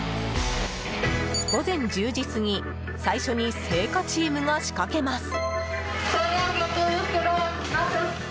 午前１０時過ぎ最初に青果チームが仕掛けます。